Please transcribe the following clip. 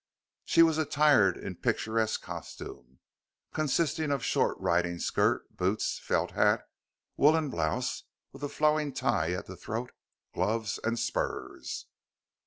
She was attired in picturesque costume, consisting of short riding skirt, boots, felt hat, woolen blouse with a flowing tie at the throat, gloves, and spurs.